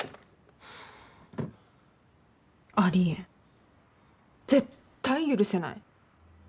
ありえん絶対許せない。